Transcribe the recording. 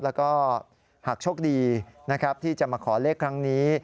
แล้วก็หากโชคดีนะครับที่จะมาขอเลขครั้งนี้